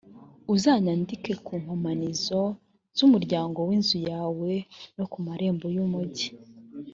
uzayandike ku nkomanizo z umuryango w inzu yawe no ku marembo y umugi.